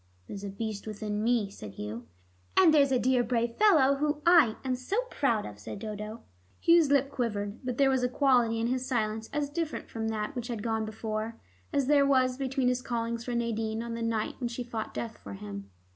"There's a beast within me," said Hugh. "And there's a dear brave fellow whom I am so proud of," said Dodo. Hugh's lip quivered, but there was a quality in his silence as different from that which had gone before, as there was between his callings for Nadine on the night when she fought death for him.